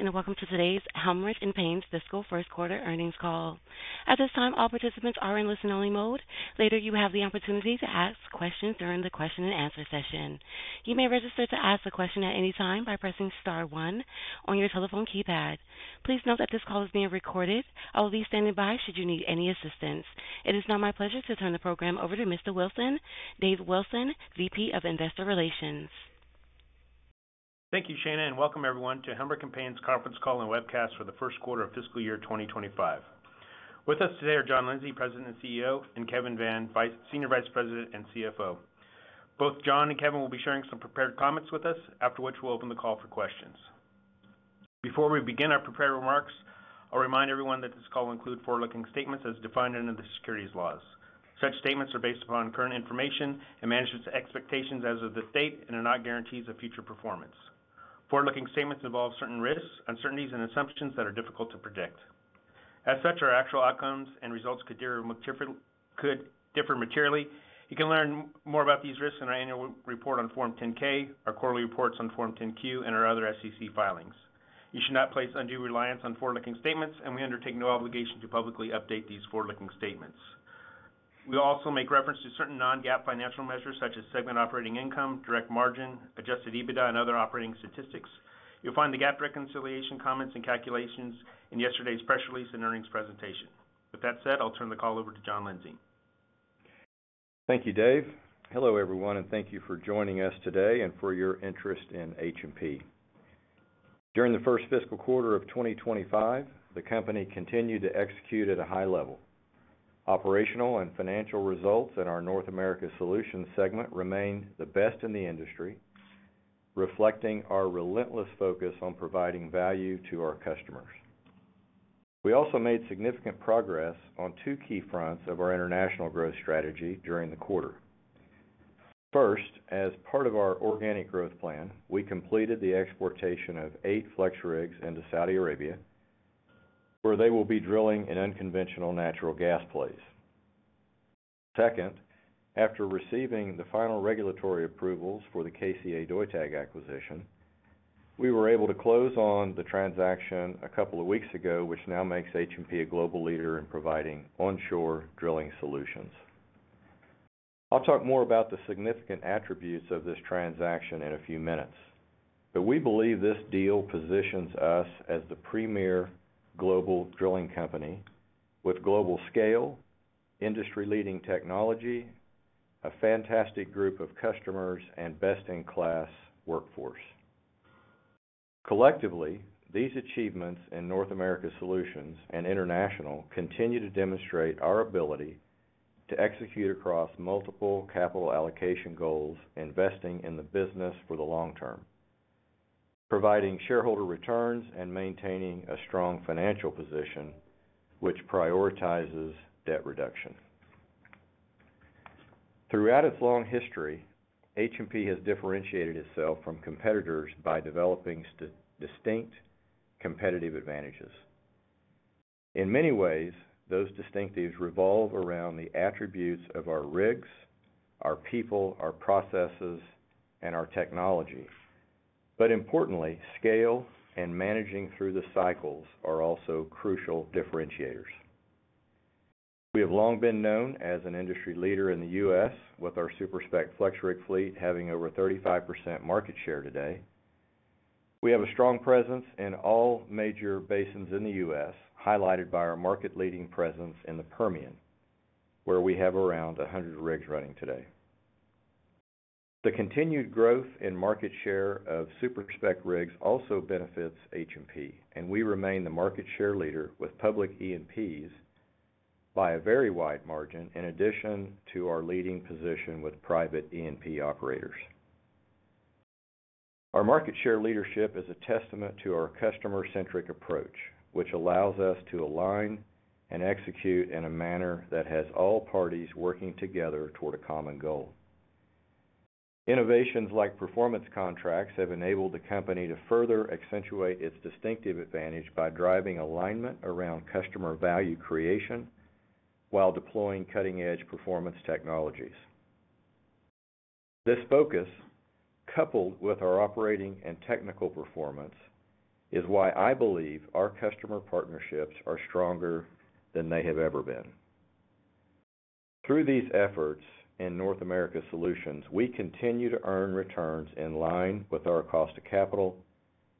Welcome to today's Helmerich & Payne's fiscal Q1 earnings call. At this time, all participants are in listen-only mode. Later, you have the opportunity to ask questions during the question-and-answer session. You may register to ask a question at any time by pressing star one on your telephone keypad. Please note that this call is being recorded. I will be standing by should you need any assistance. It is now my pleasure to turn the program over to Mr. Wilson, Dave Wilson, VP of Investor Relations. Thank you, Shana, and welcome everyone to Helmerich & Payne's conference call and webcast for the Q1 of fiscal year 2025. With us today are John Lindsay, President and CEO, and Kevin Vann, Senior Vice President and CFO. Both John and Kevin will be sharing some prepared comments with us, after which we'll open the call for questions. Before we begin our prepared remarks, I'll remind everyone that this call includes forward-looking statements as defined under the securities laws. Such statements are based upon current information and management's expectations as of this date and are not guarantees of future performance. Forward-looking statements involve certain risks, uncertainties, and assumptions that are difficult to predict. As such, our actual outcomes and results could differ materially. You can learn more about these risks in our annual report on Form 10-K, our quarterly reports on Form 10-Q, and our other SEC filings. You should not place undue reliance on forward-looking statements, and we undertake no obligation to publicly update these forward-looking statements. We will also make reference to certain non-GAAP financial measures such as segment operating income, direct margin, adjusted EBITDA, and other operating statistics. You'll find the GAAP reconciliation comments and calculations in yesterday's press release and earnings presentation. With that said, I'll turn the call over to John Lindsay. Thank you, Dave. Hello everyone, and thank you for joining us today and for your interest in H&P. During the first fiscal quarter of 2025, the company continued to execute at a high level. Operational and financial results in our North America Solutions segment remained the best in the industry, reflecting our relentless focus on providing value to our customers. We also made significant progress on two key fronts of our international growth strategy during the quarter. First, as part of our organic growth plan, we completed the exportation of eight FlexRigs into Saudi Arabia, where they will be drilling in unconventional natural gas plays. Second, after receiving the final regulatory approvals for the KCA Deutag acquisition, we were able to close on the transaction a couple of weeks ago, which now makes H&P a global leader in providing onshore drilling solutions. I'll talk more about the significant attributes of this transaction in a few minutes, but we believe this deal positions us as the premier global drilling company with global scale, industry-leading technology, a fantastic group of customers, and best-in-class workforce. Collectively, these achievements in North America Solutions and international continue to demonstrate our ability to execute across multiple capital allocation goals, investing in the business for the long term, providing shareholder returns, and maintaining a strong financial position, which prioritizes debt reduction. Throughout its long history, H&P has differentiated itself from competitors by developing distinct competitive advantages. In many ways, those distinctives revolve around the attributes of our rigs, our people, our processes, and our technology. But importantly, scale and managing through the cycles are also crucial differentiators. We have long been known as an industry leader in the U.S., with our Super-Spec FlexRig fleet having over 35% market share today. We have a strong presence in all major basins in the U.S., highlighted by our market-leading presence in the Permian, where we have around 100 rigs running today. The continued growth in market share of Super-Spec rigs also benefits H&P, and we remain the market share leader with public E&Ps by a very wide margin, in addition to our leading position with private E&P operators. Our market share leadership is a testament to our customer-centric approach, which allows us to align and execute in a manner that has all parties working together toward a common goal. Innovations like performance contracts have enabled the company to further accentuate its distinctive advantage by driving alignment around customer value creation while deploying cutting-edge performance technologies. This focus, coupled with our operating and technical performance, is why I believe our customer partnerships are stronger than they have ever been. Through these efforts in North America Solutions, we continue to earn returns in line with our cost of capital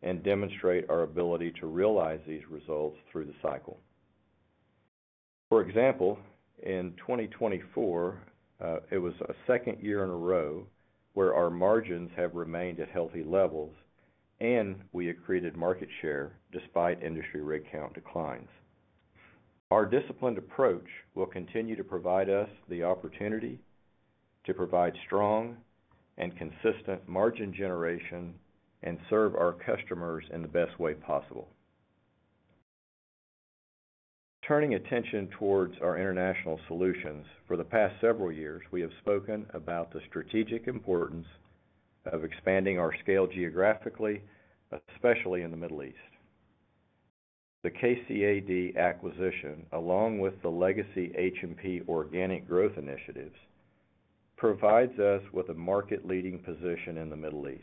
and demonstrate our ability to realize these results through the cycle. For example, in 2024, it was a second year in a row where our margins have remained at healthy levels, and we accreted market share despite industry rig count declines. Our disciplined approach will continue to provide us the opportunity to provide strong and consistent margin generation and serve our customers in the best way possible. Turning attention towards our international solutions, for the past several years, we have spoken about the strategic importance of expanding our scale geographically, especially in the Middle East. The KCA-D acquisition, along with the legacy H&P organic growth initiatives, provides us with a market-leading position in the Middle East.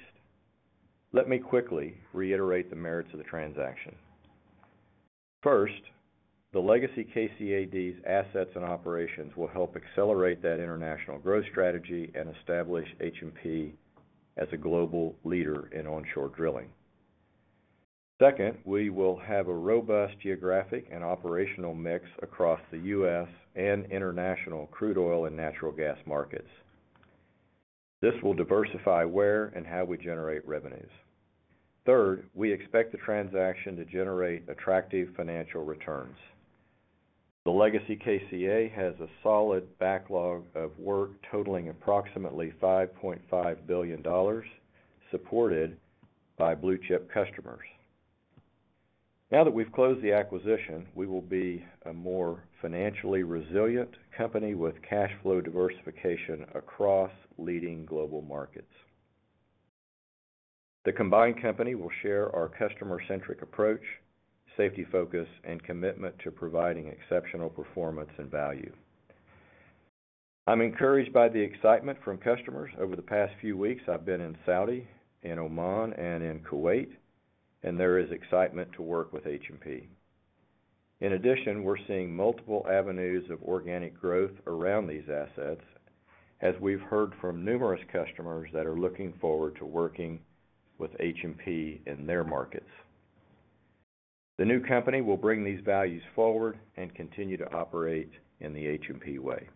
Let me quickly reiterate the merits of the transaction. First, the legacy KCA-D's assets and operations will help accelerate that international growth strategy and establish H&P as a global leader in onshore drilling. Second, we will have a robust geographic and operational mix across the U.S. and international crude oil and natural gas markets. This will diversify where and how we generate revenues. Third, we expect the transaction to generate attractive financial returns. The legacy KCA has a solid backlog of work totaling approximately $5.5 billion, supported by blue-chip customers. Now that we've closed the acquisition, we will be a more financially resilient company with cash flow diversification across leading global markets. The combined company will share our customer-centric approach, safety focus, and commitment to providing exceptional performance and value. I'm encouraged by the excitement from customers. Over the past few weeks, I've been in Saudi, in Oman, and in Kuwait, and there is excitement to work with H&P. In addition, we're seeing multiple avenues of organic growth around these assets, as we've heard from numerous customers that are looking forward to working with H&P in their markets. The new company will bring these values forward and continue to operate in the H&P way.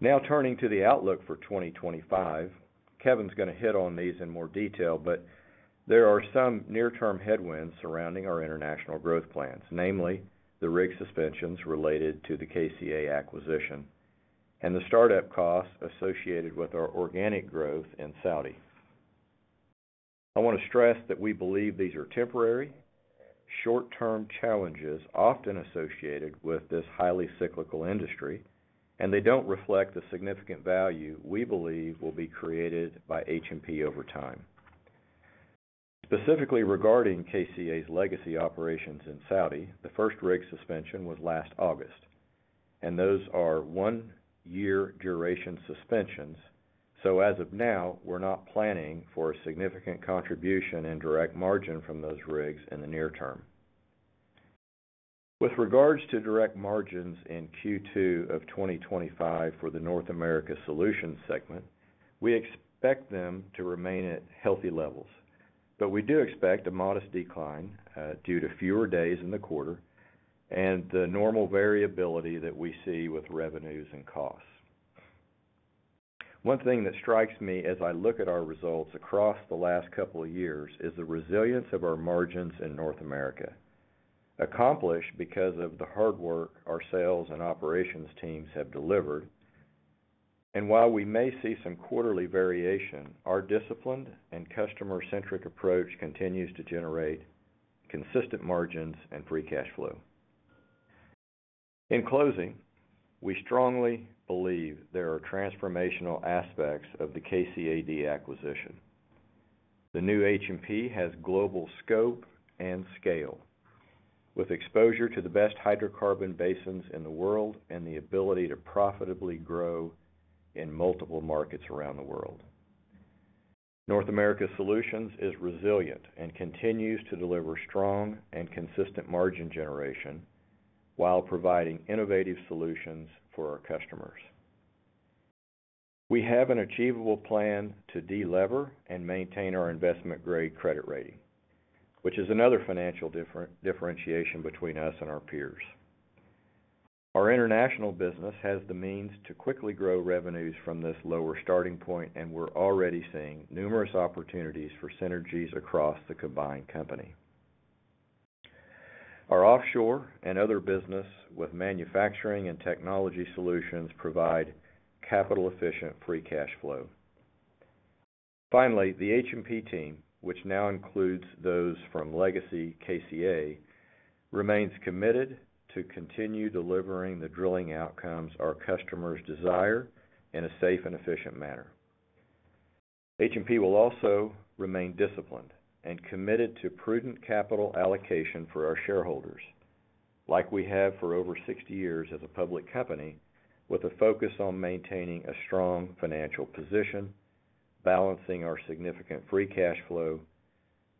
Now turning to the outlook for 2025, Kevin's going to hit on these in more detail, but there are some near-term headwinds surrounding our international growth plans, namely the rig suspensions related to the KCA acquisition and the startup costs associated with our organic growth in Saudi. I want to stress that we believe these are temporary, short-term challenges often associated with this highly cyclical industry, and they don't reflect the significant value we believe will be created by H&P over time. Specifically regarding KCA's legacy operations in Saudi, the first rig suspension was last August, and those are one-year duration suspensions, so as of now, we're not planning for a significant contribution in direct margin from those rigs in the near term. With regards to direct margins in Q2 of 2025 for the North America Solutions segment, we expect them to remain at healthy levels, but we do expect a modest decline due to fewer days in the quarter and the normal variability that we see with revenues and costs. One thing that strikes me as I look at our results across the last couple of years is the resilience of our margins in North America, accomplished because of the hard work our sales and operations teams have delivered. And while we may see some quarterly variation, our disciplined and customer-centric approach continues to generate consistent margins and free cash flow. In closing, we strongly believe there are transformational aspects of the KCA-D acquisition. The new H&P has global scope and scale, with exposure to the best hydrocarbon basins in the world and the ability to profitably grow in multiple markets around the world. North America Solutions is resilient and continues to deliver strong and consistent margin generation while providing innovative solutions for our customers. We have an achievable plan to de-lever and maintain our investment-grade credit rating, which is another financial differentiation between us and our peers. Our international business has the means to quickly grow revenues from this lower starting point, and we're already seeing numerous opportunities for synergies across the combined company. Our offshore and other business with manufacturing and technology solutions provide capital-efficient free cash flow. Finally, the H&P team, which now includes those from legacy KCA, remains committed to continue delivering the drilling outcomes our customers desire in a safe and efficient manner. H&P will also remain disciplined and committed to prudent capital allocation for our shareholders, like we have for over 60 years as a public company, with a focus on maintaining a strong financial position, balancing our significant free cash flow,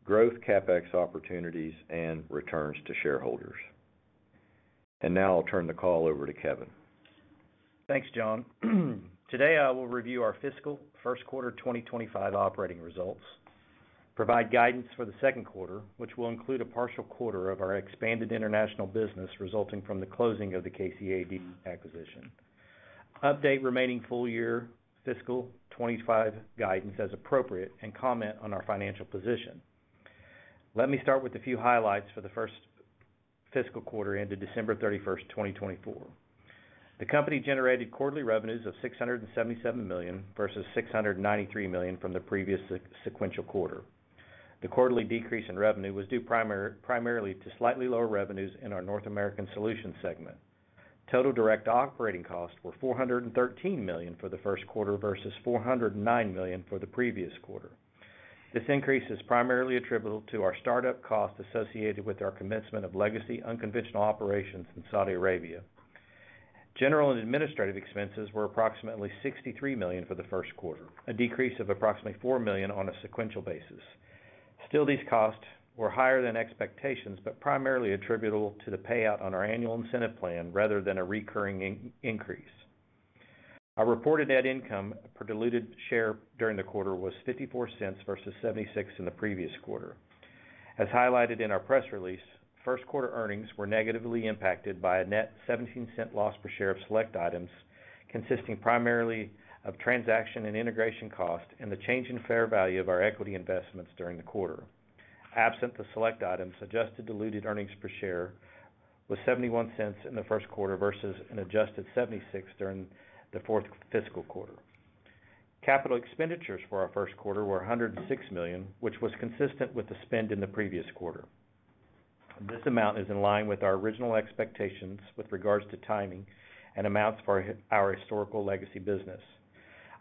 growth CapEx opportunities, and returns to shareholders. And now I'll turn the call over to Kevin. Thanks, John. Today, I will review our fiscal Q1 2025 operating results, provide guidance for the Q2, which will include a partial quarter of our expanded international business resulting from the closing of the KCA-D acquisition, update remaining full-year fiscal 2025 guidance as appropriate, and comment on our financial position. Let me start with a few highlights for the first fiscal quarter ended December 31st, 2024. The company generated quarterly revenues of $677 million versus $693 million from the previous sequential quarter. The quarterly decrease in revenue was due primarily to slightly lower revenues in our North American Solutions segment. Total direct operating costs were $413 million for the Q1 versus $409 million for the previous quarter. This increase is primarily attributable to our startup cost associated with our commencement of legacy unconventional operations in Saudi Arabia. General and administrative expenses were approximately $63 million for the Q1, a decrease of approximately $4 million on a sequential basis. Still, these costs were higher than expectations, but primarily attributable to the payout on our annual incentive plan rather than a recurring increase. Our reported net income per diluted share during the quarter was $0.54 versus $0.76 in the previous quarter. As highlighted in our press release, Q1 earnings were negatively impacted by a net $0.17 loss per share of select items, consisting primarily of transaction and integration costs and the change in fair value of our equity investments during the quarter. Absent the select items, adjusted diluted earnings per share was $0.71 in the Q1 versus an adjusted $0.76 during the fourth fiscal quarter. Capital expenditures for our Q1 were $106 million, which was consistent with the spend in the previous quarter. This amount is in line with our original expectations with regards to timing and amounts for our historical legacy business.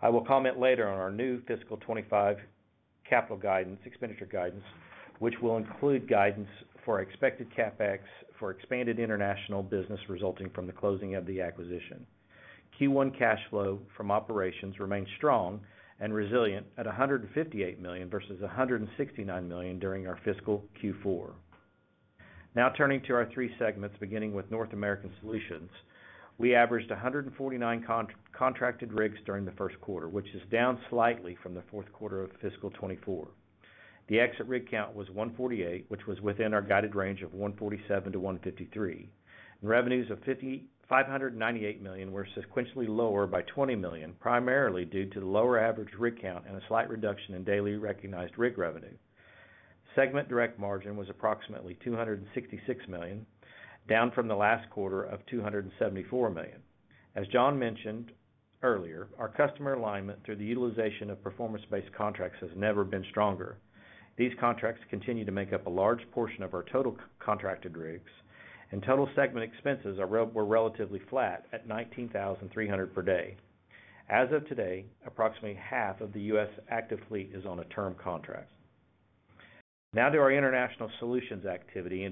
I will comment later on our new fiscal 2025 capital guidance, expenditure guidance, which will include guidance for expected CapEx for expanded international business resulting from the closing of the acquisition. Q1 cash flow from operations remained strong and resilient at $158 million versus $169 million during our fiscal Q4. Now turning to our three segments, beginning with North American Solutions, we averaged 149 contracted rigs during the Q1, which is down slightly from the Q4 of fiscal 2024. The exit rig count was 148, which was within our guided range of 147 to 153. Revenues of $598 million were sequentially lower by $20 million, primarily due to the lower average rig count and a slight reduction in daily recognized rig revenue. Segment direct margin was approximately $266 million, down from the last quarter of $274 million. As John mentioned earlier, our customer alignment through the utilization of performance-based contracts has never been stronger. These contracts continue to make up a large portion of our total contracted rigs, and total segment expenses were relatively flat at $19,300 per day. As of today, approximately half of the U.S. active fleet is on a term contract. Now, to our international solutions activity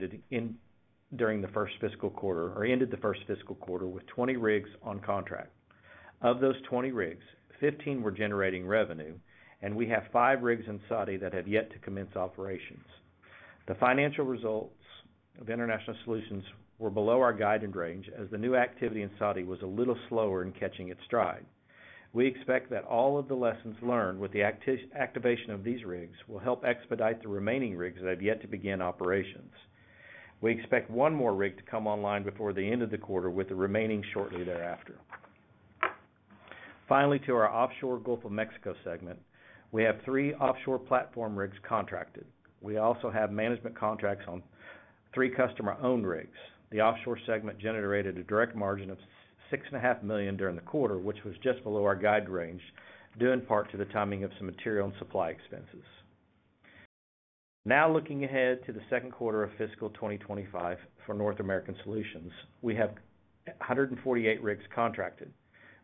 during the first fiscal quarter. We ended the first fiscal quarter with 20 rigs on contract. Of those 20 rigs, 15 were generating revenue, and we have five rigs in Saudi that have yet to commence operations. The financial results of international solutions were below our guided range as the new activity in Saudi was a little slower in catching its stride. We expect that all of the lessons learned with the activation of these rigs will help expedite the remaining rigs that have yet to begin operations. We expect one more rig to come online before the end of the quarter, with the remaining shortly thereafter. Finally, to our offshore Gulf of Mexico segment, we have three offshore platform rigs contracted. We also have management contracts on three customer-owned rigs. The offshore segment generated a direct margin of $6.5 million during the quarter, which was just below our guided range, due in part to the timing of some material and supply expenses. Now looking ahead to the Q2 of fiscal 2025 for North American Solutions, we have 148 rigs contracted.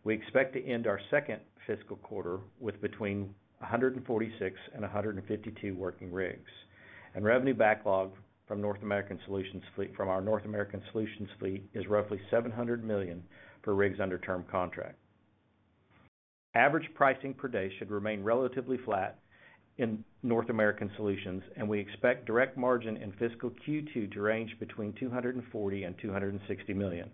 We expect to end our second fiscal quarter with between 146 and 152 working rigs. Revenue backlog from our North American Solutions fleet is roughly $700 million for rigs under term contract. Average pricing per day should remain relatively flat in North American Solutions, and we expect direct margin in fiscal Q2 to range between $240 and 260 million.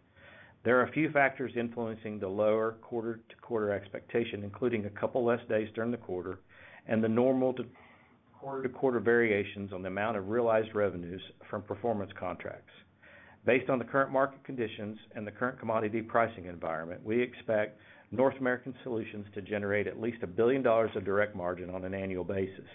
There are a few factors influencing the lower quarter-to-quarter expectation, including a couple less days during the quarter and the normal quarter-to-quarter variations on the amount of realized revenues from performance contracts. Based on the current market conditions and the current commodity pricing environment, we expect North American Solutions to generate at least $1 billion of direct margin on an annual basis.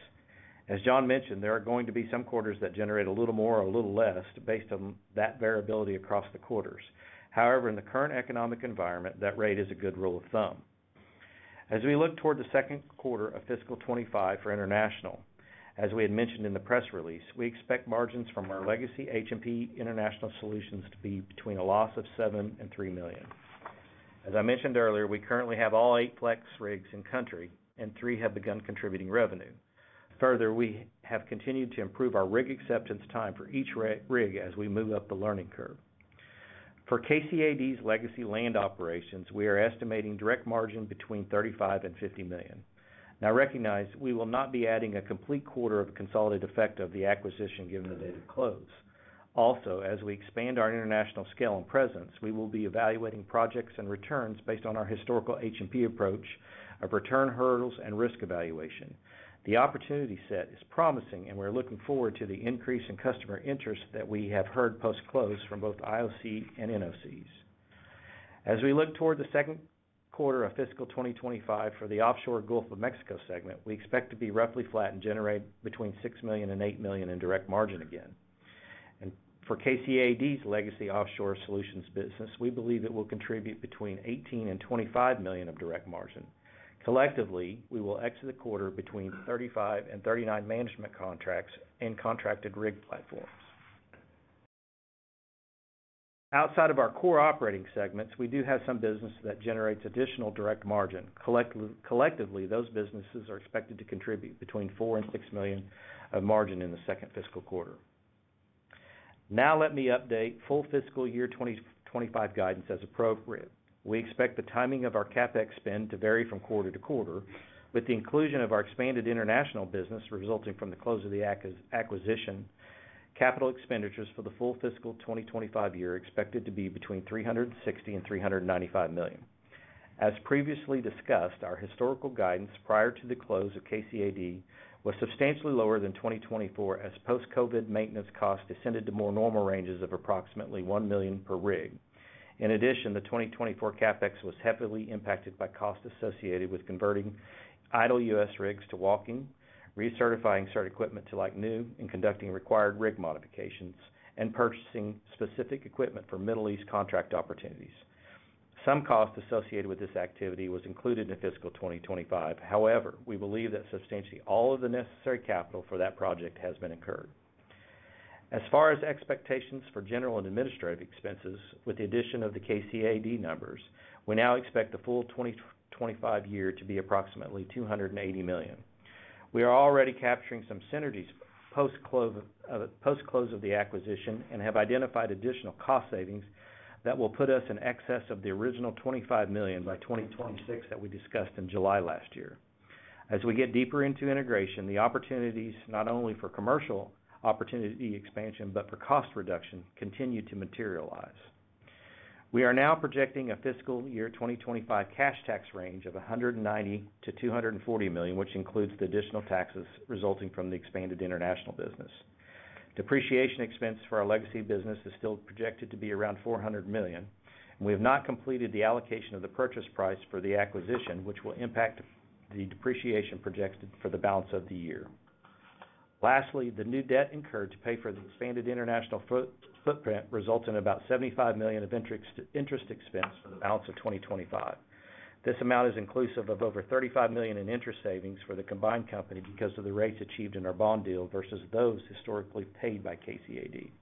As John mentioned, there are going to be some quarters that generate a little more or a little less based on that variability across the quarters. However, in the current economic environment, that rate is a good rule of thumb. As we look toward the Q2 of fiscal 2025 for international, as we had mentioned in the press release, we expect margins from our legacy H&P International Solutions to be between a loss of $7 and 3 million. As I mentioned earlier, we currently have all eight flex rigs in country, and three have begun contributing revenue. Further, we have continued to improve our rig acceptance time for each rig as we move up the learning curve. For KCA-D's legacy land operations, we are estimating direct margin between $35 and 50 million. Now, recognize we will not be adding a complete quarter of consolidated effect of the acquisition given the date of close. Also, as we expand our international scale and presence, we will be evaluating projects and returns based on our historical H&P approach of return hurdles and risk evaluation. The opportunity set is promising, and we're looking forward to the increase in customer interest that we have heard post-close from both IOC and NOCs. As we look toward the Q2 of fiscal 2025 for the offshore Gulf of Mexico segment, we expect to be roughly flat and generate between $6 million and 8 million in direct margin again. And for KCA-D's legacy offshore solutions business, we believe it will contribute between $18 and 25 million of direct margin. Collectively, we will exit the quarter between $35 and 39 management contracts and contracted rig platforms. Outside of our core operating segments, we do have some business that generates additional direct margin. Collectively, those businesses are expected to contribute between $4 and 6 million of margin in the second fiscal quarter. Now, let me update full fiscal year 2025 guidance as appropriate. We expect the timing of our CapEx spend to vary from quarter to quarter, with the inclusion of our expanded international business resulting from the close of the acquisition. Capital expenditures for the full fiscal 2025 year are expected to be between $360 and 395 million. As previously discussed, our historical guidance prior to the close of KCA-D was substantially lower than 2024 as post-COVID maintenance costs descended to more normal ranges of approximately $1 million per rig. In addition, the 2024 CapEx was heavily impacted by costs associated with converting idle U.S. rigs to walking, recertifying certain equipment to like new, and conducting required rig modifications, and purchasing specific equipment for Middle East contract opportunities. Some costs associated with this activity were included in fiscal 2025. However, we believe that substantially all of the necessary capital for that project has been incurred. As far as expectations for general and administrative expenses, with the addition of the KCA-D numbers, we now expect the full 2025 year to be approximately $280 million. We are already capturing some synergies post-close of the acquisition and have identified additional cost savings that will put us in excess of the original $25 million by 2026 that we discussed in July last year. As we get deeper into integration, the opportunities not only for commercial opportunity expansion, but for cost reduction continue to materialize. We are now projecting a fiscal year 2025 cash tax range of $190 million to 240 million, which includes the additional taxes resulting from the expanded international business. Depreciation expense for our legacy business is still projected to be around $400 million, and we have not completed the allocation of the purchase price for the acquisition, which will impact the depreciation projected for the balance of the year. Lastly, the new debt incurred to pay for the expanded international footprint results in about $75 million of interest expense for the balance of 2025. This amount is inclusive of over $35 million in interest savings for the combined company because of the rates achieved in our bond deal versus those historically paid by KCA-D.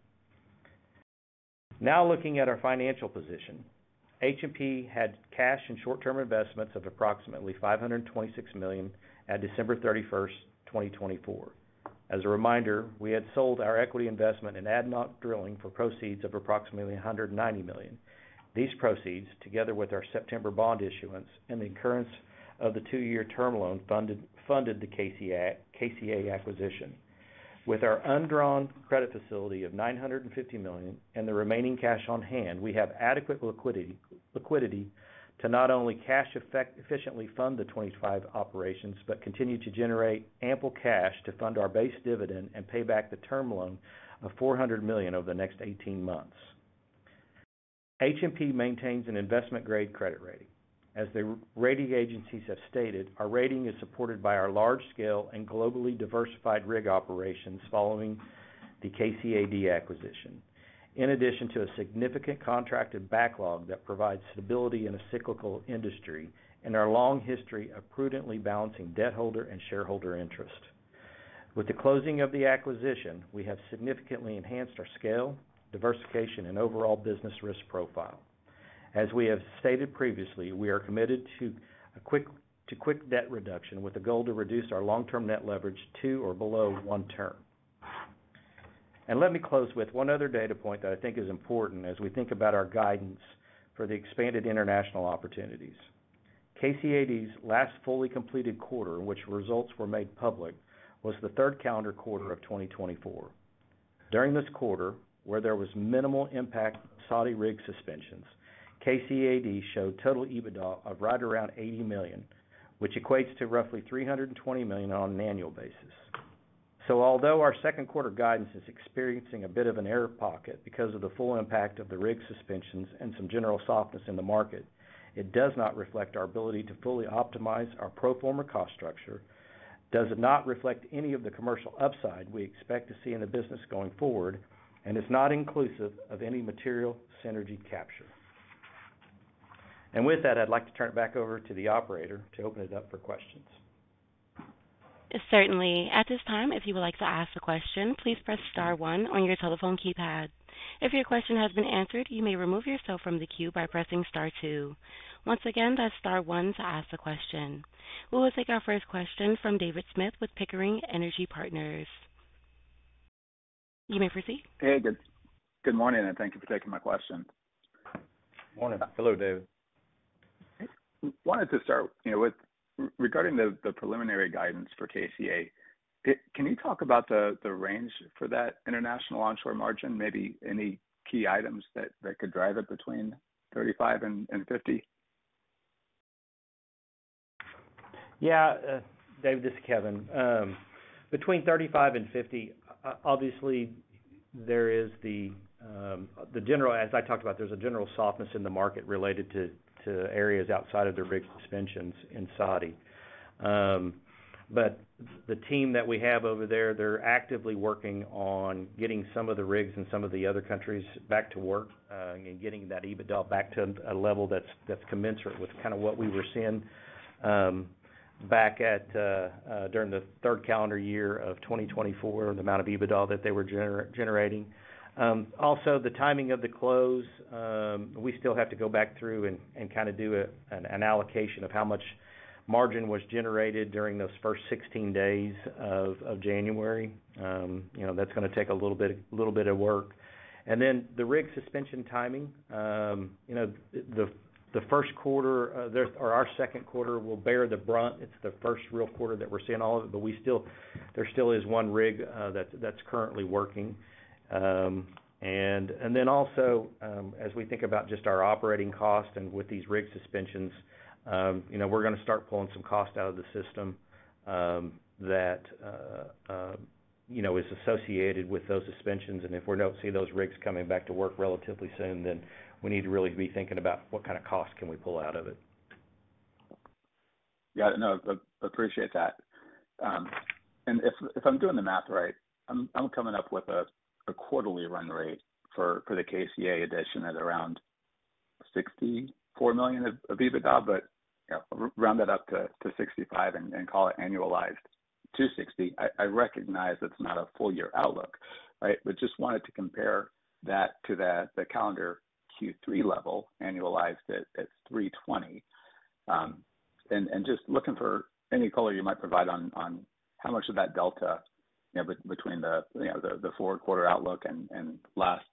Now looking at our financial position, H&P had cash and short-term investments of approximately $526 million at December 31st, 2024. As a reminder, we had sold our equity investment in ADNOC Drilling for proceeds of approximately $190 million. These proceeds, together with our September bond issuance and the incurrence of the two-year term loan, funded the KCA acquisition. With our undrawn credit facility of $950 million and the remaining cash on hand, we have adequate liquidity to not only cash efficiently fund the 2025 operations, but continue to generate ample cash to fund our base dividend and pay back the term loan of $400 million over the next 18 months. H&P maintains an investment-grade credit rating. As the rating agencies have stated, our rating is supported by our large-scale and globally diversified rig operations following the KCA-D acquisition, in addition to a significant contracted backlog that provides stability in a cyclical industry and our long history of prudently balancing debt holder and shareholder interest. With the closing of the acquisition, we have significantly enhanced our scale, diversification, and overall business risk profile. As we have stated previously, we are committed to quick debt reduction with the goal to reduce our long-term net leverage to or below one turn. Let me close with one other data point that I think is important as we think about our guidance for the expanded international opportunities. KCA-D's last fully completed quarter, which results were made public, was the third calendar quarter of 2024. During this quarter, where there was minimal impact of Saudi rig suspensions, KCA-D showed total EBITDA of right around $80 million, which equates to roughly $320 million on an annual basis. So although our Q2 guidance is experiencing a bit of an air pocket because of the full impact of the rig suspensions and some general softness in the market, it does not reflect our ability to fully optimize our pro forma cost structure, does not reflect any of the commercial upside we expect to see in the business going forward, and is not inclusive of any material synergy capture. And with that, I'd like to turn it back over to the operator to open it up for questions. Certainly. At this time, if you would like to ask a question, please press star one on your telephone keypad. If your question has been answered, you may remove yourself from the queue by pressing star two. Once again, press star one to ask the question. We will take our first question from David Smith with Pickering Energy Partners. You may proceed. Hey, good. Good morning, and thank you for taking my question. Morning. Hello, David. Wanted to start with regarding the preliminary guidance for KCA. Can you talk about the range for that international onshore margin, maybe any key items that could drive it between $35 and 50? Yeah, David, this is Kevin. Between $35 and 50, obviously, there is the general, as I talked about, there's a general softness in the market related to areas outside of the rig suspensions in Saudi. But the team that we have over there, they're actively working on getting some of the rigs in some of the other countries back to work and getting that EBITDA back to a level that's commensurate with kind of what we were seeing back during the third calendar year of 2024, the amount of EBITDA that they were generating. Also, the timing of the close, we still have to go back through and kind of do an allocation of how much margin was generated during those first 16 days of January. That's going to take a little bit of work, and then the rig suspension timing, the Q1 or our Q2 will bear the brunt. It's the first real quarter that we're seeing all of it, but there still is one rig that's currently working, and then also, as we think about just our operating cost and with these rig suspensions, we're going to start pulling some cost out of the system that is associated with those suspensions, and if we don't see those rigs coming back to work relatively soon, then we need to really be thinking about what kind of cost can we pull out of it. Yeah, no, I appreciate that. And if I'm doing the math right, I'm coming up with a quarterly run rate for the KCA addition at around $64 million of EBITDA, but round that up to $65 and call it annualized to $60. I recognize it's not a full year outlook, right? But just wanted to compare that to the calendar Q3 level annualized at $320. And just looking for any color you might provide on how much of that delta between the four-quarter outlook and last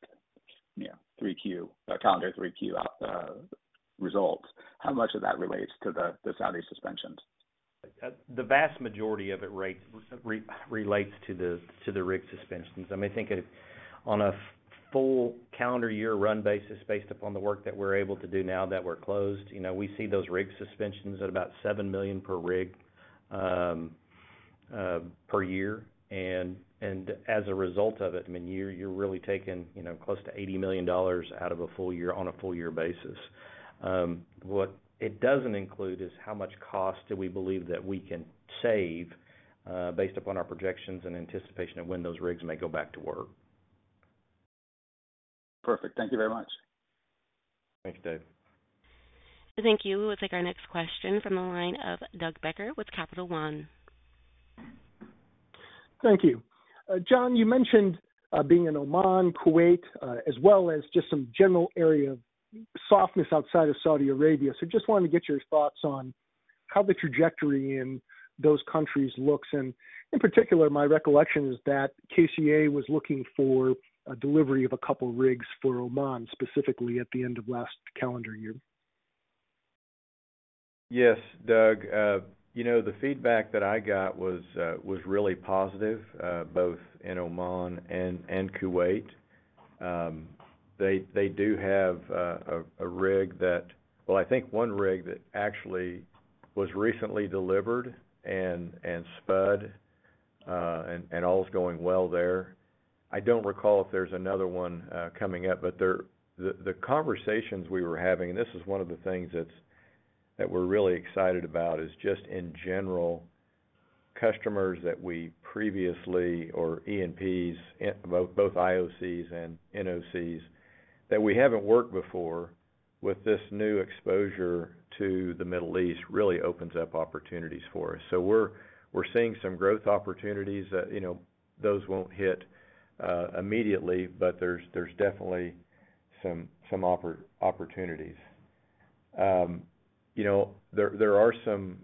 calendar Q3 results, how much of that relates to the Saudi suspensions? The vast majority of it relates to the rig suspensions. I mean, I think on a full calendar year run basis, based upon the work that we're able to do now that we're closed, we see those rig suspensions at about $7 million per rig per year. And as a result of it, I mean, you're really taking close to $80 million out of a full year on a full year basis. What it doesn't include is how much cost do we believe that we can save based upon our projections and anticipation of when those rigs may go back to work. Perfect. Thank you very much. Thanks, Dave. Thank you. We will take our next question from the line of Doug Becker with Capital One. Thank you. John, you mentioned being in Oman, Kuwait, as well as just some general area of softness outside of Saudi Arabia. So just wanted to get your thoughts on how the trajectory in those countries looks. And in particular, my recollection is that KCA was looking for a delivery of a couple of rigs for Oman specifically at the end of last calendar year. Yes, Doug. The feedback that I got was really positive, both in Oman and Kuwait. They do have a rig that, well, I think one rig that actually was recently delivered and specced and all is going well there. I don't recall if there's another one coming up, but the conversations we were having, and this is one of the things that we're really excited about, is just in general, customers that we previously, or E&Ps, both IOCs and NOCs, that we haven't worked before with this new exposure to the Middle East really opens up opportunities for us, so we're seeing some growth opportunities. Those won't hit immediately, but there's definitely some opportunities. There are some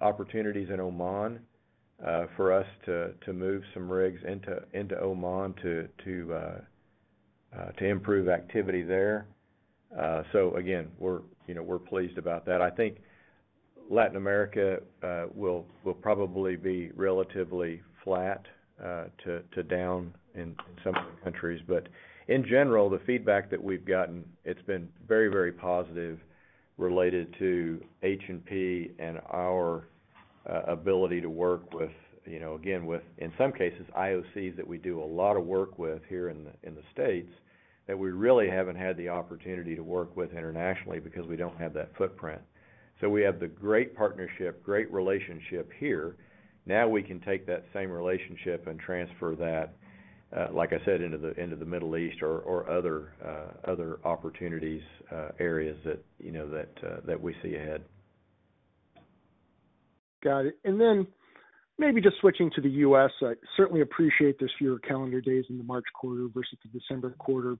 opportunities in Oman for us to move some rigs into Oman to improve activity there, so again, we're pleased about that. I think Latin America will probably be relatively flat to down in some of the countries. But in general, the feedback that we've gotten, it's been very, very positive related to H&P and our ability to work with, again, with, in some cases, IOCs that we do a lot of work with here in the States that we really haven't had the opportunity to work with internationally because we don't have that footprint. So we have the great partnership, great relationship here. Now we can take that same relationship and transfer that, like I said, into the Middle East or other opportunities areas that we see ahead. Got it, and then maybe just switching to the U.S., I certainly appreciate this fewer calendar days in the March quarter versus the December quarter.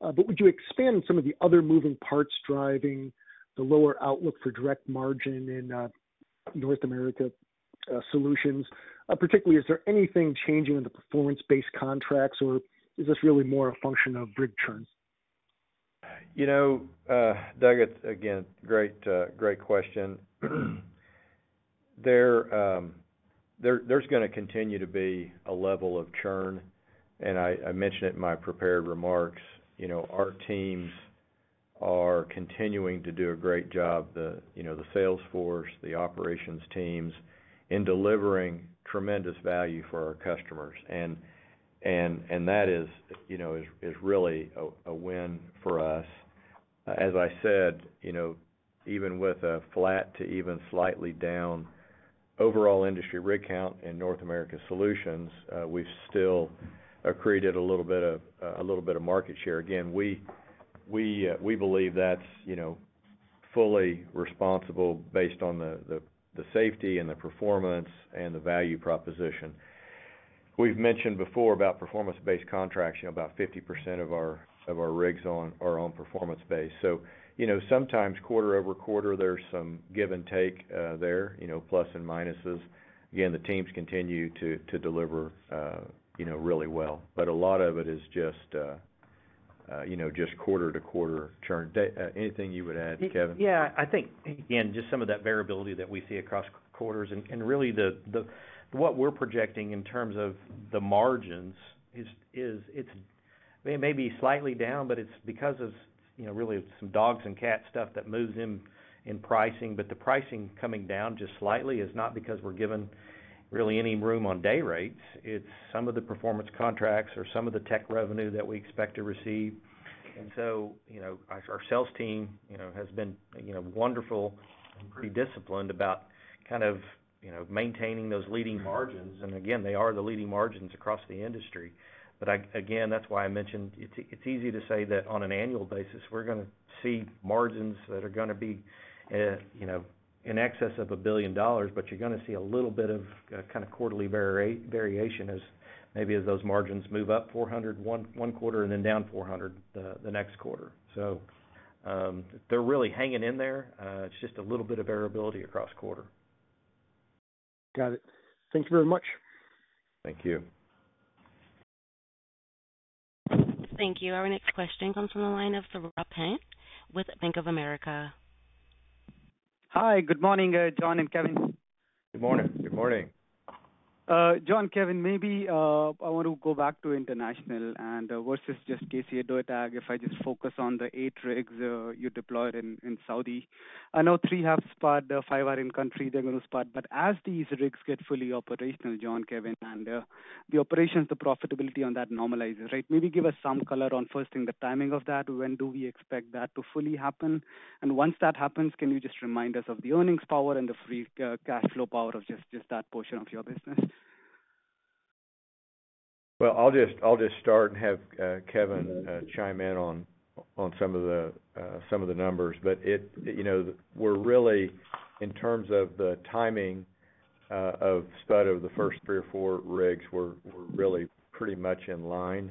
But would you expand some of the other moving parts driving the lower outlook for direct margin in North America solutions? Particularly, is there anything changing in the performance-based contracts, or is this really more a function of rig churn? You know, Doug, again, great question. There's going to continue to be a level of churn, and I mentioned it in my prepared remarks. Our teams are continuing to do a great job, the sales force, the operations teams in delivering tremendous value for our customers. And that is really a win for us. As I said, even with a flat to even slightly down overall industry rig count in North America solutions, we've still accreted a little bit of market share. Again, we believe that's fully responsible based on the safety and the performance and the value proposition. We've mentioned before about performance-based contracts, about 50% of our rigs are on performance-based. So sometimes quarter over quarter, there's some give and take there, pluses and minuses. Again, the teams continue to deliver really well. But a lot of it is just quarter to quarter churn. Anything you would add, Kevin? Yeah, I think, again, just some of that variability that we see across quarters. And really, what we're projecting in terms of the margins is it's maybe slightly down, but it's because of really some dog-and-pony stuff that moves in pricing. But the pricing coming down just slightly is not because we're given really any room on day rates. It's some of the performance contracts or some of the tech revenue that we expect to receive. And so our sales team has been wonderful and pretty disciplined about kind of maintaining those leading margins. And again, they are the leading margins across the industry. But again, that's why I mentioned it's easy to say that on an annual basis, we're going to see margins that are going to be in excess of $1 billion, but you're going to see a little bit of kind of quarterly variation as maybe as those margins move up 400 one quarter and then down 400 the next quarter. So they're really hanging in there. It's just a little bit of variability across quarter. Got it. Thank you very much. Thank you. Thank you. Our next question comes from the line of Saurabh Pant with Bank of America. Hi, good morning, John and Kevin. Good morning. Good morning. John, Kevin, maybe I want to go back to international and versus just KCA Deutag, if I just focus on the eight rigs you deployed in Saudi. I know three have spudded, five are in-country, they're going to spud. But as these rigs get fully operational, John, Kevin, and the operations, the profitability on that normalizes, right? Maybe give us some color on first thing, the timing of that, when do we expect that to fully happen? And once that happens, can you just remind us of the earnings power and the free cash flow power of just that portion of your business? Well, I'll just start and have Kevin chime in on some of the numbers. But we're really, in terms of the timing of spud of the first three or four rigs, we're really pretty much in line.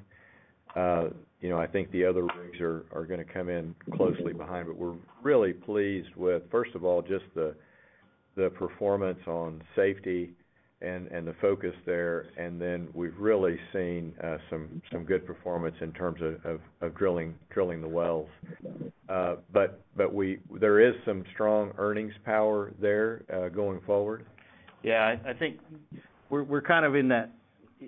I think the other rigs are going to come in closely behind, but we're really pleased with, first of all, just the performance on safety and the focus there. And then we've really seen some good performance in terms of drilling the wells. But there is some strong earnings power there going forward. Yeah, I think we're kind of in that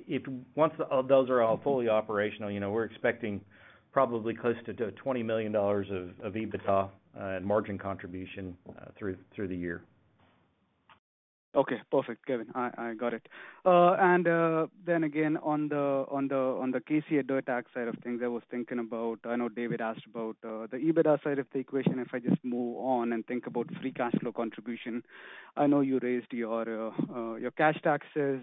if once those are all fully operational, we're expecting probably close to $20 million of EBITDA and margin contribution through the year. Okay. Perfect, Kevin. I got it. And then again, on the KCA Deutag side of things, I was thinking about. I know David asked about the EBITDA side of the equation. If I just move on and think about free cash flow contribution, I know you raised your cash taxes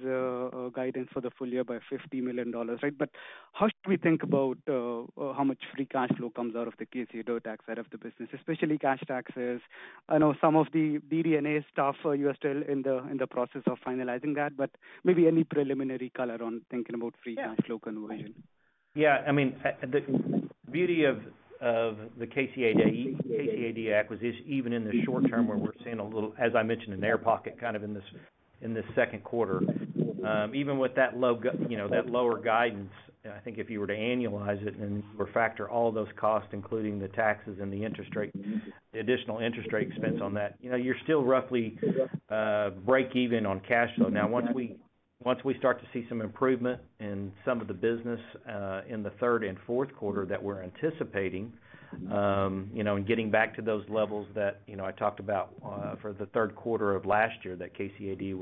guidance for the full year by $50 million, right? But how should we think about how much free cash flow comes out of the KCA Deutag side of the business, especially cash taxes? I know some of the DD&A stuff. You are still in the process of finalizing that, but maybe any preliminary color on thinking about free cash flow conversion? Yeah. I mean, the beauty of the KCA Deutag was even in the short term where we're seeing a little, as I mentioned, an air pocket kind of in this Q2. Even with that lower guidance, I think if you were to annualize it and then you were to factor all those costs, including the taxes and the additional interest rate expense on that, you're still roughly break even on cash flow. Now, once we start to see some improvement in some of the business in the third and Q4 that we're anticipating and getting back to those levels that I talked about for the Q3 of last year that KCA-D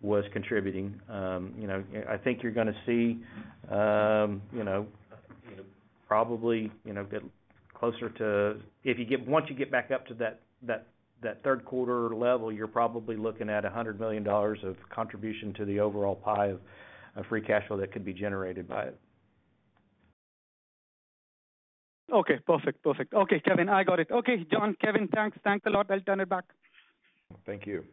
was contributing, I think you're going to see probably get closer to if you get once you get back up to that Q3 level, you're probably looking at $100 million of contribution to the overall pie of free cash flow that could be generated by it. Okay. Perfect. Perfect. Okay, Kevin, I got it. Okay, John, Kevin, thanks. Thanks a lot. I'll turn it back. Thank you.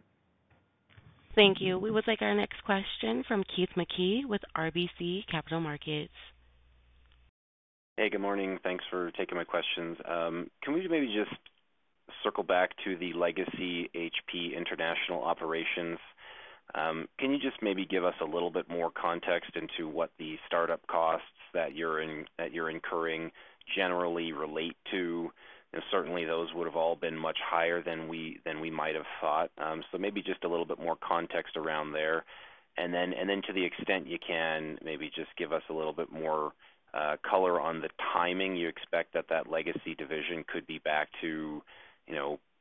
Thank you. We would like our next question from Keith Mackey with RBC Capital Markets. Hey, good morning. Thanks for taking my questions. Can we maybe just circle back to the legacy HP International operations? Can you just maybe give us a little bit more context into what the startup costs that you're incurring generally relate to? And certainly, those would have all been much higher than we might have thought. So maybe just a little bit more context around there. And then to the extent you can, maybe just give us a little bit more color on the timing you expect that that legacy division could be back to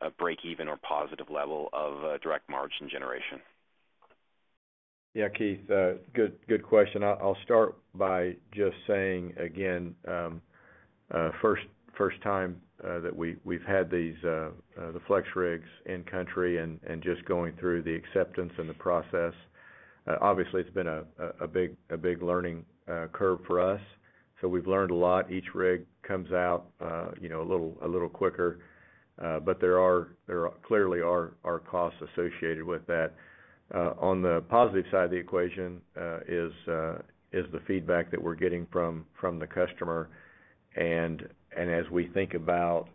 a break even or positive level of direct margin generation. Yeah, Keith, good question. I'll start by just saying again, first time that we've had the FlexRigs in country and just going through the acceptance and the process. Obviously, it's been a big learning curve for us. So we've learned a lot. Each rig comes out a little quicker. But there clearly are costs associated with that. On the positive side of the equation is the feedback that we're getting from the customer. And as we think about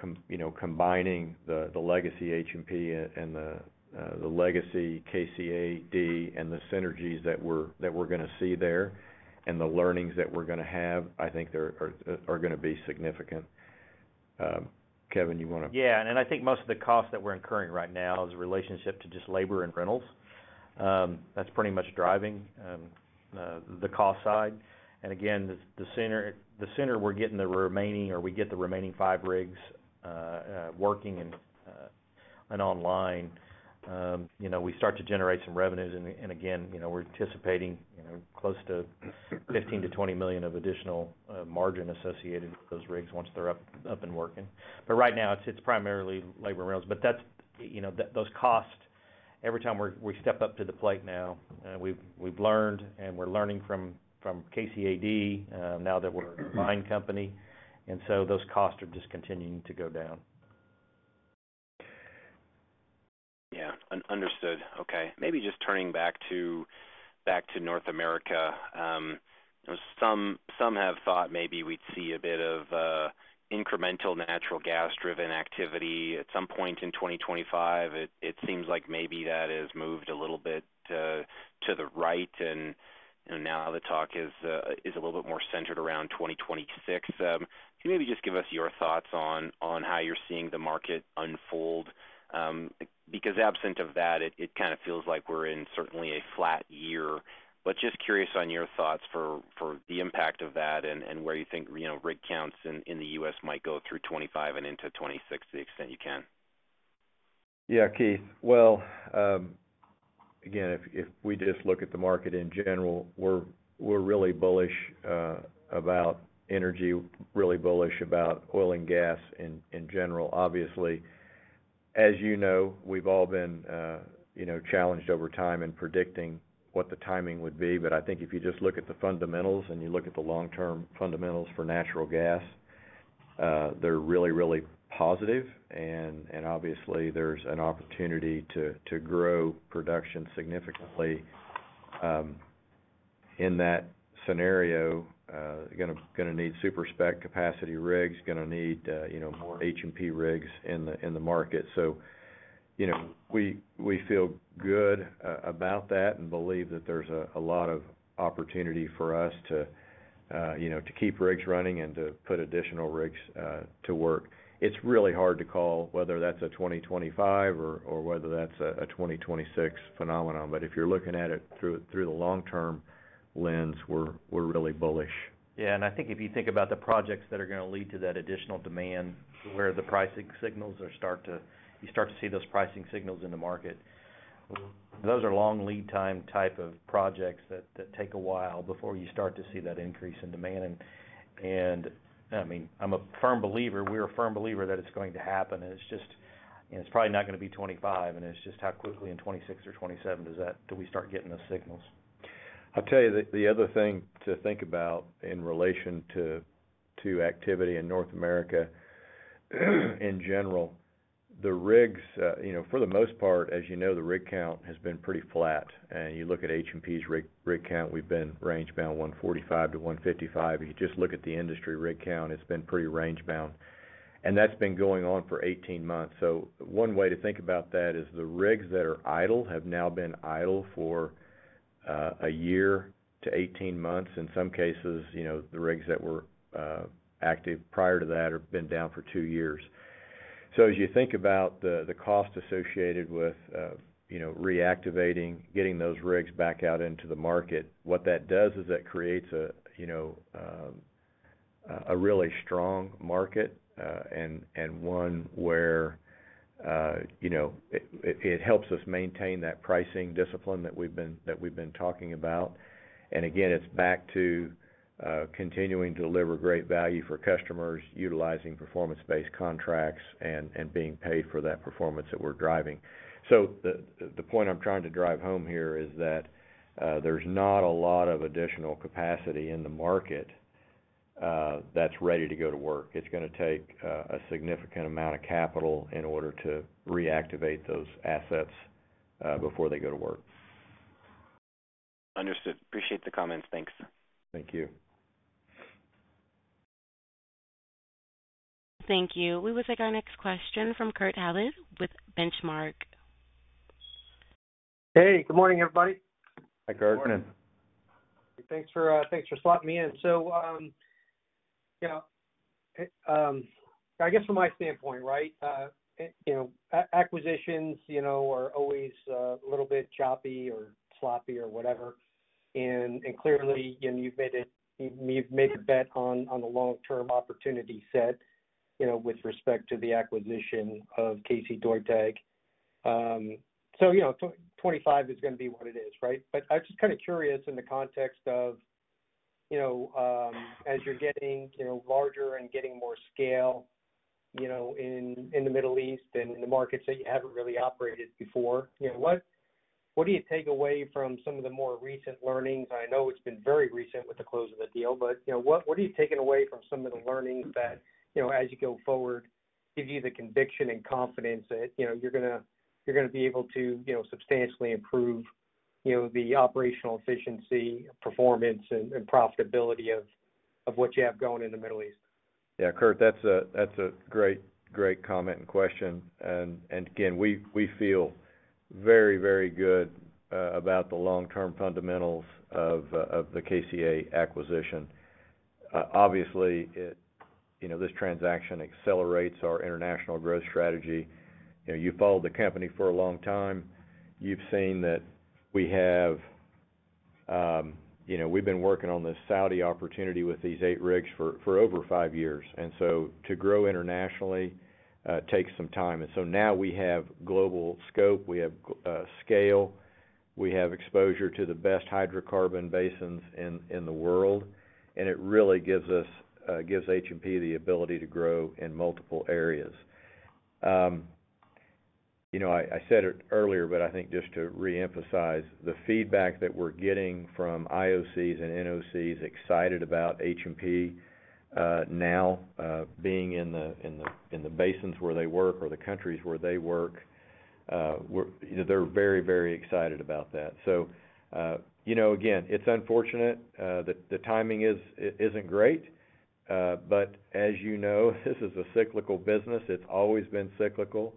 combining the legacy H&P and the legacy KCA-D and the synergies that we're going to see there and the learnings that we're going to have, I think are going to be significant. Kevin, you want to? Yeah. And I think most of the costs that we're incurring right now is a relationship to just labor and rentals. That's pretty much driving the cost side. And again, the sooner we're getting the remaining or we get the remaining five rigs working and online, we start to generate some revenues. And again, we're anticipating close to $15 to 20 million of additional margin associated with those rigs once they're up and working. But right now, it's primarily labor and rentals. But those costs, every time we step up to the plate now, we've learned and we're learning from KCA-D now that we're a combined company. And so those costs are just continuing to go down. Yeah. Understood. Okay. Maybe just turning back to North America. Some have thought maybe we'd see a bit of incremental natural gas-driven activity at some point in 2025. It seems like maybe that has moved a little bit to the right. And now the talk is a little bit more centered around 2026. Can you maybe just give us your thoughts on how you're seeing the market unfold? Because absent of that, it kind of feels like we're in certainly a flat year. But just curious on your thoughts for the impact of that and where you think rig counts in the U.S. might go through 2025 and into 2026 to the extent you can. Yeah, Keith. Well, again, if we just look at the market in general, we're really bullish about energy, really bullish about oil and gas in general. Obviously, as you know, we've all been challenged over time in predicting what the timing would be. But I think if you just look at the fundamentals and you look at the long-term fundamentals for natural gas, they're really, really positive. And obviously, there's an opportunity to grow production significantly. In that scenario, going to need SuperSpec capacity rigs, going to need more H&P rigs in the market. So we feel good about that and believe that there's a lot of opportunity for us to keep rigs running and to put additional rigs to work. It's really hard to call whether that's a 2025 or whether that's a 2026 phenomenon. But if you're looking at it through the long-term lens, we're really bullish. Yeah. And I think if you think about the projects that are going to lead to that additional demand where the pricing signals are starting to. You start to see those pricing signals in the market, those are long lead time type of projects that take a while before you start to see that increase in demand. And I mean, I'm a firm believer. We're a firm believer that it's going to happen. And it's just, and it's probably not going to be 2025. And it's just how quickly in 2026 or 2027 do we start getting those signals? I'll tell you the other thing to think about in relation to activity in North America in general, the rigs, for the most part, as you know, the rig count has been pretty flat. And you look at H&P's rig count, we've been range bound 145-155. If you just look at the industry rig count, it's been pretty range bound. And that's been going on for 18 months. So one way to think about that is the rigs that are idle have now been idle for a year to 18 months. In some cases, the rigs that were active prior to that have been down for two years. So as you think about the cost associated with reactivating, getting those rigs back out into the market, what that does is that creates a really strong market and one where it helps us maintain that pricing discipline that we've been talking about. And again, it's back to continuing to deliver great value for customers utilizing performance-based contracts and being paid for that performance that we're driving. So the point I'm trying to drive home here is that there's not a lot of additional capacity in the market that's ready to go to work. It's going to take a significant amount of capital in order to reactivate those assets before they go to work. Understood. Appreciate the comments. Thanks. Thank you. Thank you. We would like our next question from Kurt Hallead with Benchmark. Hey, good morning, everybody. Hi, Kurt. Good morning. Thanks for slotting me in. So I guess from my standpoint, right, acquisitions are always a little bit choppy or sloppy or whatever. And clearly, you've made a bet on the long-term opportunity set with respect to the acquisition of KCA Deutag. So '25 is going to be what it is, right? But I'm just kind of curious in the context of as you're getting larger and getting more scale in the Middle East and in the markets that you haven't really operated before, what do you take away from some of the more recent learnings? I know it's been very recent with the close of the deal, but what are you taking away from some of the learnings that as you go forward, give you the conviction and confidence that you're going to be able to substantially improve the operational efficiency, performance, and profitability of what you have going in the Middle East? Yeah, Kurt, that's a great, great comment and question. And again, we feel very, very good about the long-term fundamentals of the KCA acquisition. Obviously, this transaction accelerates our international growth strategy. You've followed the company for a long time. You've seen that we've been working on this Saudi opportunity with these eight rigs for over five years. And so to grow internationally takes some time. And so now we have global scope. We have scale. We have exposure to the best hydrocarbon basins in the world. And it really gives us H&P the ability to grow in multiple areas. I said it earlier, but I think just to reemphasize the feedback that we're getting from IOCs and NOCs excited about H&P now being in the basins where they work or the countries where they work, they're very, very excited about that. So again, it's unfortunate. The timing isn't great. But as you know, this is a cyclical business. It's always been cyclical.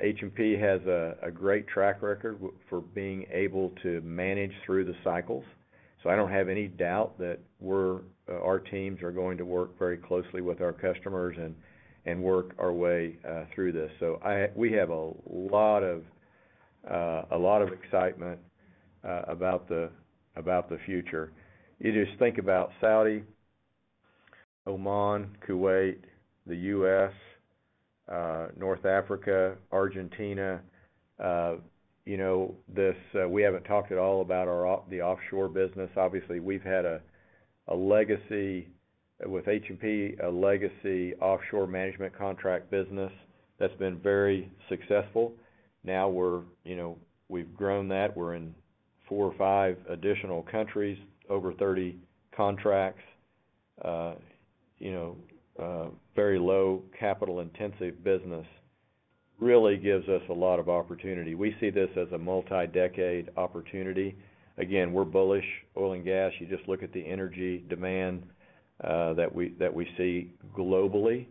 H&P has a great track record for being able to manage through the cycles. So I don't have any doubt that our teams are going to work very closely with our customers and work our way through this. So we have a lot of excitement about the future. You just think about Saudi, Oman, Kuwait, the US, North Africa, Argentina. We haven't talked at all about the offshore business. Obviously, we've had a legacy with H&P, a legacy offshore management contract business that's been very successful. Now we've grown that. We're in four or five additional countries, over 30 contracts. Very low capital-intensive business really gives us a lot of opportunity. We see this as a multi-decade opportunity. Again, we're bullish. Oil and gas, you just look at the energy demand that we see globally.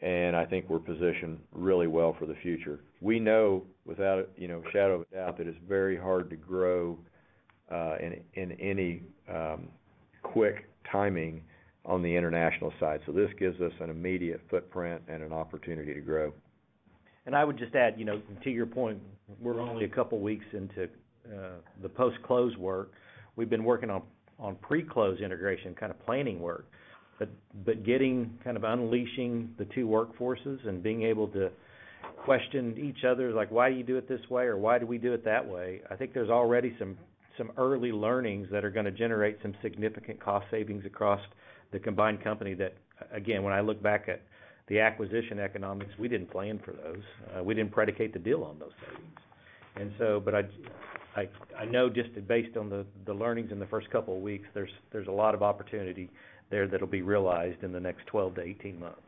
And I think we're positioned really well for the future. We know without a shadow of a doubt that it's very hard to grow in any quick timing on the international side. So this gives us an immediate footprint and an opportunity to grow. And I would just add, to your point, we're only a couple of weeks into the post-close work. We've been working on pre-close integration, kind of planning work. But getting kind of unleashing the two workforces and being able to question each other like, "Why do you do it this way?" or "Why do we do it that way?" I think there's already some early learnings that are going to generate some significant cost savings across the combined company that, again, when I look back at the acquisition economics, we didn't plan for those. We didn't predicate the deal on those savings. And so, but I know just based on the learnings in the first couple of weeks, there's a lot of opportunity there that will be realized in the next 12 to 18 months.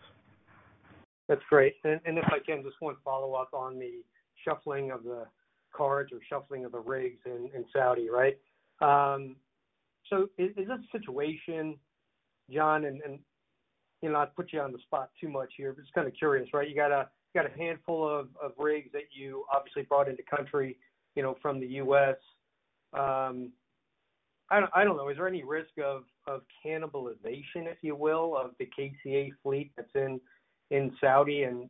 That's great. And if I can, just one follow-up on the shuffling of the cards or shuffling of the rigs in Saudi, right? So is this situation, John, and I'll put you on the spot too much here, but just kind of curious, right? You got a handful of rigs that you obviously brought into country from the U.S. I don't know. Is there any risk of cannibalization, if you will, of the KCA fleet that's in Saudi? And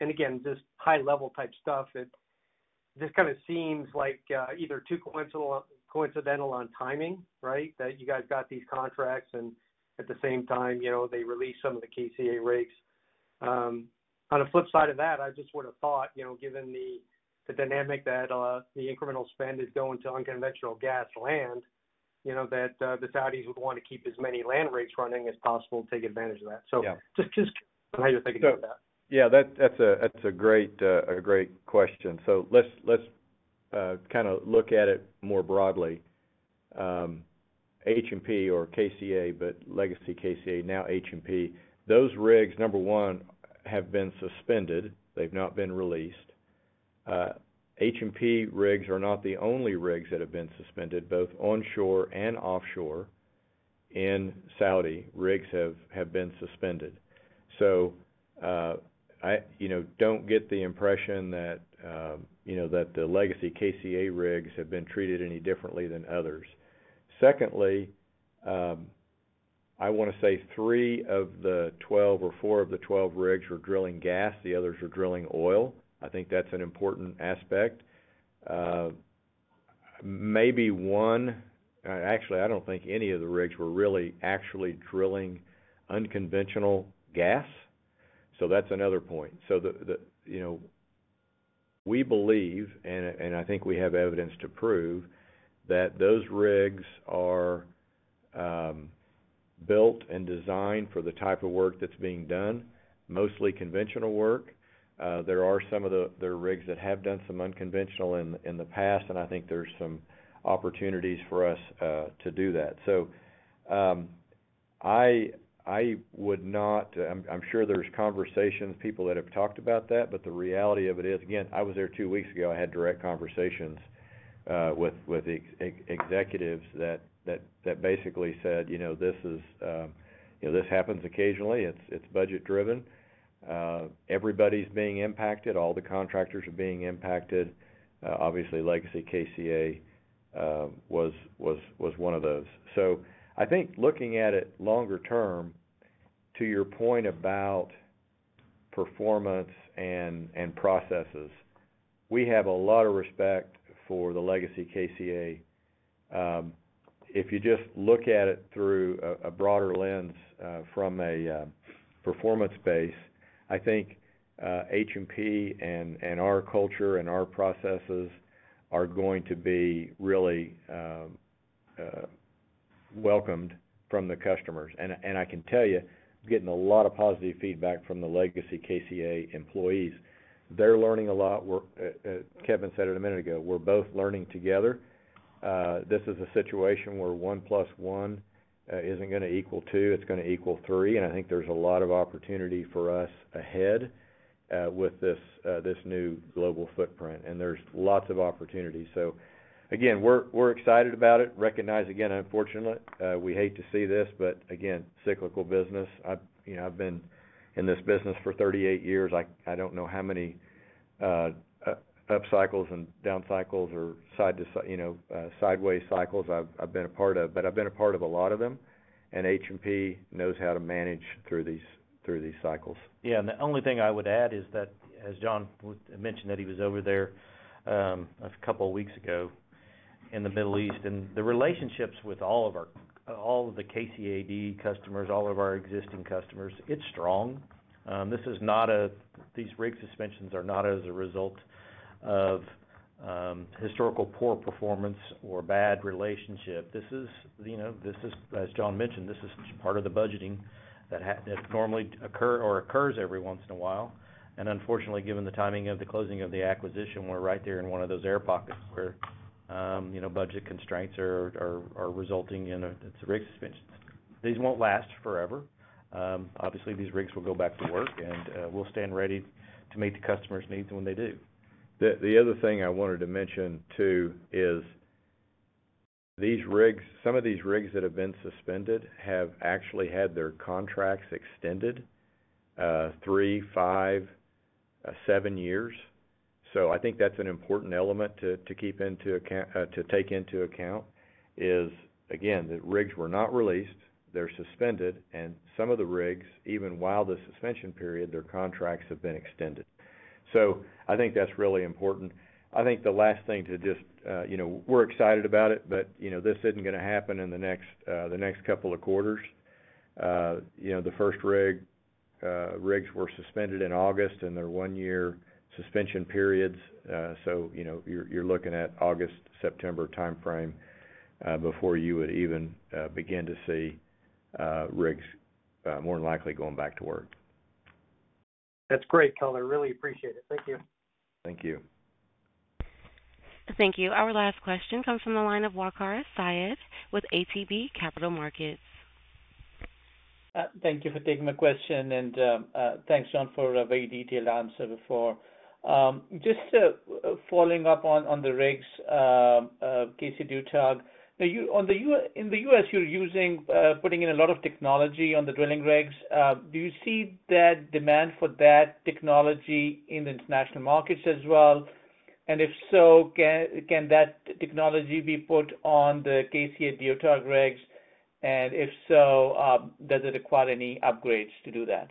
again, just high-level type stuff that just kind of seems like either too coincidental on timing, right, that you guys got these contracts and at the same time, they release some of the KCA rigs. On the flip side of that, I just would have thought, given the dynamic that the incremental spend is going to unconventional gas land, that the Saudis would want to keep as many land rigs running as possible and take advantage of that. So just how you're thinking about that. Yeah, that's a great question. So let's kind of look at it more broadly. H&P or KCA, but legacy KCA, now H&P. Those rigs, number one, have been suspended. They've not been released. H&P rigs are not the only rigs that have been suspended, both onshore and offshore. In Saudi, rigs have been suspended. So don't get the impression that the legacy KCA rigs have been treated any differently than others. Secondly, I want to say three of the 12 or four of the 12 rigs were drilling gas. The others were drilling oil. I think that's an important aspect. Maybe one, actually, I don't think any of the rigs were really actually drilling unconventional gas. So that's another point. So we believe, and I think we have evidence to prove, that those rigs are built and designed for the type of work that's being done, mostly conventional work. There are some of the rigs that have done some unconventional in the past, and I think there's some opportunities for us to do that. So I would not, I'm sure there's conversations, people that have talked about that, but the reality of it is, again, I was there two weeks ago. I had direct conversations with executives that basically said, "This happens occasionally. It's budget-driven. Everybody's being impacted. All the contractors are being impacted." Obviously, legacy KCA was one of those. So, I think looking at it longer term, to your point about performance and processes, we have a lot of respect for the legacy KCA. If you just look at it through a broader lens from a performance base, I think H&P and our culture and our processes are going to be really welcomed from the customers, and I can tell you, I'm getting a lot of positive feedback from the legacy KCA employees. They're learning a lot. Kevin said it a minute ago. We're both learning together. This is a situation where one plus one isn't going to equal two. It's going to equal three, and I think there's a lot of opportunity for us ahead with this new global footprint, and there's lots of opportunity, so again, we're excited about it, recognize again, unfortunately, we hate to see this, but again, cyclical business. I've been in this business for 38 years. I don't know how many upcycles and downcycles or sideways cycles I've been a part of, but I've been a part of a lot of them. And H&P knows how to manage through these cycles. Yeah. And the only thing I would add is that, as John mentioned, that he was over there a couple of weeks ago in the Middle East. And the relationships with all of the KCA-D customers, all of our existing customers, it's strong. These rig suspensions are not as a result of historical poor performance or bad relationship. This is, as John mentioned, this is part of the budgeting that normally occurs every once in a while. And unfortunately, given the timing of the closing of the acquisition, we're right there in one of those air pockets where budget constraints are resulting in rig suspensions. These won't last forever. Obviously, these rigs will go back to work, and we'll stand ready to meet the customer's needs when they do. The other thing I wanted to mention too is some of these rigs that have been suspended have actually had their contracts extended three, five, seven years, so I think that's an important element to take into account is, again, that rigs were not released. They're suspended, and some of the rigs, even while the suspension period, their contracts have been extended, so I think that's really important. I think the last thing to just we're excited about it, but this isn't going to happen in the next couple of quarters. The first rigs were suspended in August, and they're one-year suspension periods, so you're looking at August, September timeframe before you would even begin to see rigs more than likely going back to work. That's great, Kevin. Really appreciate it. Thank you. Thank you. Thank you. Our last question comes from the line of Waqar Syed with ATB Capital Markets. Thank you for taking my question. And thanks, John, for a very detailed answer before. Just following up on the rigs of KCA Deutag, in the U.S., you're putting in a lot of technology on the drilling rigs. Do you see that demand for that technology in the international markets as well? And if so, can that technology be put on the KCA Deutag rigs? And if so, does it require any upgrades to do that?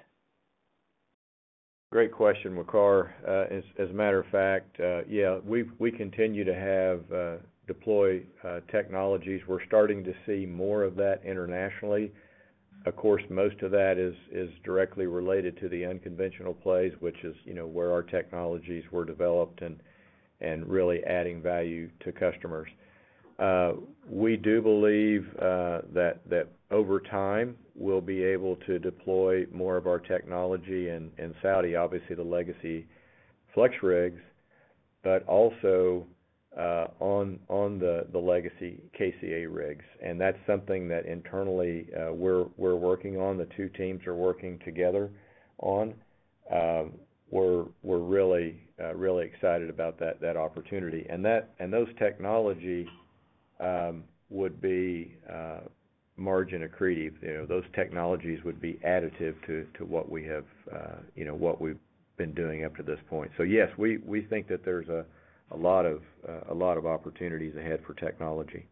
Great question, Waqar. As a matter of fact, yeah, we continue to deploy technologies. We're starting to see more of that internationally. Of course, most of that is directly related to the unconventional plays, which is where our technologies were developed and really adding value to customers. We do believe that over time, we'll be able to deploy more of our technology in Saudi, obviously the legacy FlexRigs, but also on the legacy KCA rigs. And that's something that internally we're working on. The two teams are working together on. We're really excited about that opportunity. And those technologies would be margin accretive. Those technologies would be additive to what we have, what we've been doing up to this point. So yes, we think that there's a lot of opportunities ahead for technology.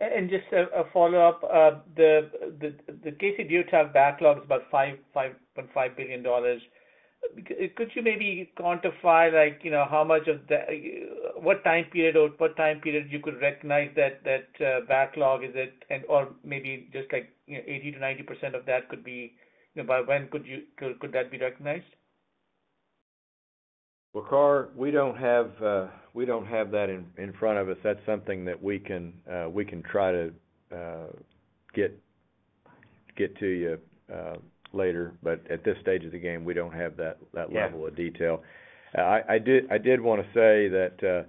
And just a follow-up, the KCA Deutag backlog is about $5.5 billion. Could you maybe quantify how much of that, what time period you could recognize that backlog, is it, or maybe just like 80% to 90% of that could be by when, could that be recognized? Waqar, we don't have that in front of us. That's something that we can try to get to you later. But at this stage of the game, we don't have that level of detail. I did want to say that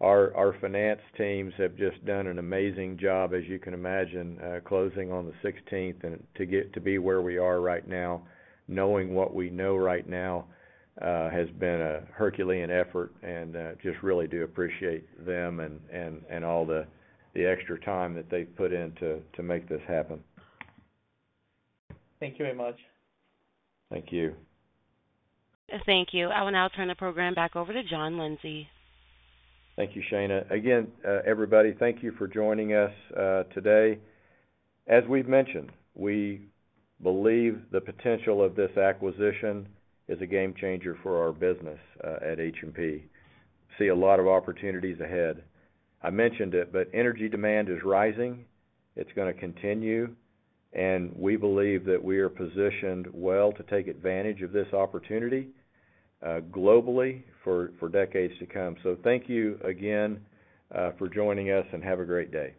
our finance teams have just done an amazing job, as you can imagine, closing on the 16th, and to be where we are right now, knowing what we know right now has been a Herculean effort, and just really do appreciate them and all the extra time that they've put in to make this happen. Thank you very much. Thank you. Thank you. I will now turn the program back over to John Lindsay. Thank you, Shana. Again, everybody, thank you for joining us today. As we've mentioned, we believe the potential of this acquisition is a game changer for our business at H&P. See a lot of opportunities ahead. I mentioned it, but energy demand is rising. It's going to continue. And we believe that we are positioned well to take advantage of this opportunity globally for decades to come. So thank you again for joining us and have a great day.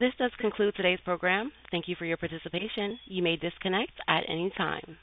This does conclude today's program. Thank you for your participation. You may disconnect at any time.